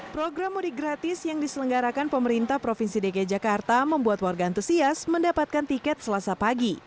program mudik gratis yang diselenggarakan pemerintah provinsi dki jakarta membuat warga antusias mendapatkan tiket selasa pagi